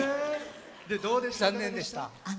残念でした。